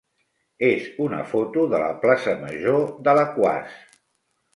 és una foto de la plaça major d'Alaquàs.